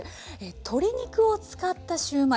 鶏肉を使ったシューマイ。